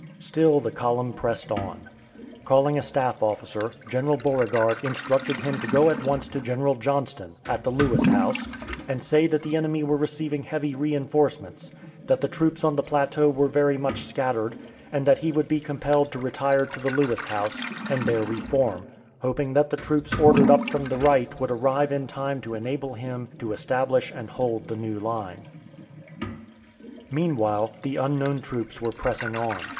Still the column pressed on. Calling a staff officer, General Beauregard instructed him to go at once to General Johnston, at the Lewis House, and say that the enemy were receiving heavy reënforcements, that the troops on the plateau were very much scattered, and that he would be compelled to retire to the Lewis House, and there re form, hoping that the troops ordered up from the right would arrive in time to enable him to establish and hold the new line. [Illustration: HERE ARE THE COLORS!] Meanwhile, the unknown troops were pressing on.